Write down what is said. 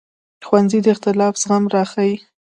ښوونځی د اختلاف زغم راښيي